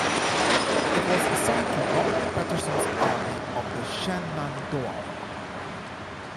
It was assigned to Robert Patterson's Army of the Shenandoah.